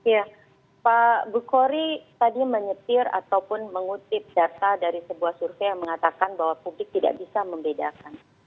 ya pak bukhori tadi menyetir ataupun mengutip data dari sebuah survei yang mengatakan bahwa publik tidak bisa membedakan